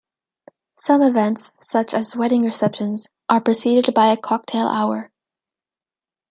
Some events, such as wedding receptions, are preceded by a cocktail hour.